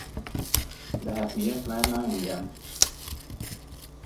De hát miért várna engem?